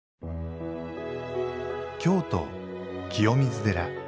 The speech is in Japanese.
京都清水寺。